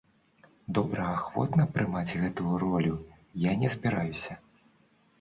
Добраахвотна прымаць гэтую ролю я не збіраюся.